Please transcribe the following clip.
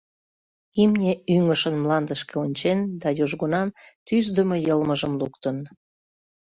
Имне ӱҥышын мландышке ончен да южгунам тӱсдымӧ йылмыжым луктын.